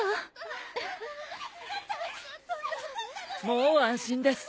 もう安心です。